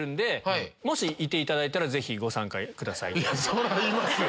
そりゃいますよ！